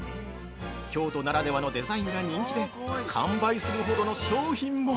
京都ならではのデザインが人気で完売するほどの商品も！